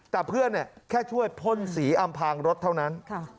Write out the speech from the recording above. แต่เพื่อนแค่ช่วยพ่นสีอำพางรถเท่านั้น